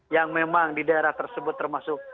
yang memang di daerah tersebut termasuk